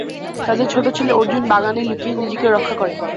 তাদের ছোট ছেলে অর্জুন বাগানে লুকিয়ে নিজেকে রক্ষা করে।